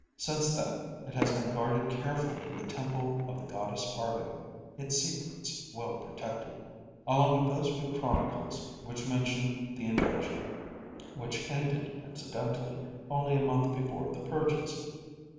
Since then it has been guarded carefully in the temple of the Goddess Argo, its secrets well protected, along with those few chronicles which mention the invasion, which ended, incidentally, only a month before the purges.